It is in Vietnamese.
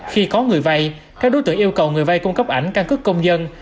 khi có người vay các đối tượng yêu cầu người vay cung cấp ảnh căn cức công dân